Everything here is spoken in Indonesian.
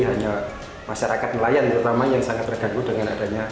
hanya masyarakat nelayan yang terganggu dengan adanya